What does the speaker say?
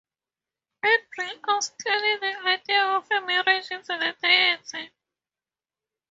It brings out clearly the idea of her marriage to the deity.